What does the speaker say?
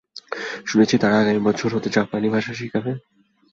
শুনেছো তারা আগামী বছর হতে জাপানি ভাষা শিখাবে?